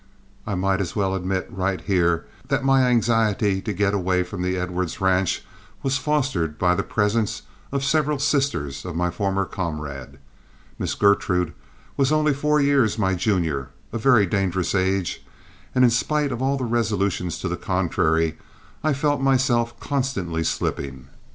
I might as well admit right here that my anxiety to get away from the Edwards ranch was fostered by the presence of several sisters of my former comrade. Miss Gertrude was only four years my junior, a very dangerous age, and in spite of all resolutions to the contrary, I felt myself constantly slipping.